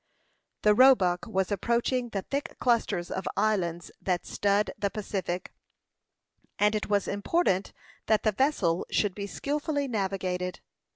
The Roebuck was approaching the thick clusters of islands that stud the Pacific; and it was important that the vessel should be skilfully navigated.